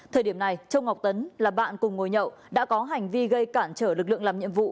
thời điểm này châu ngọc tấn là bạn cùng ngồi nhậu đã có hành vi gây cản trở lực lượng làm nhiệm vụ